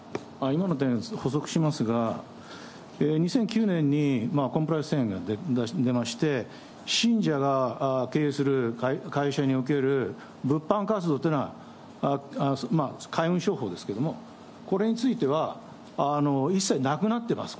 今の点、補足しますが、２００９年に、コンプライアンス宣言が出まして、信者が経営する会社における物販活動っていうのは、開運商法ですけれども、これについては一切なくなってます。